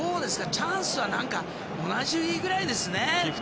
チャンスは同じくらいですね。